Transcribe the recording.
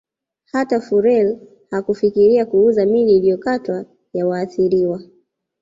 Hata Fuhrer hakufikiria kuuza miili iliyokatwa ya waathiriwa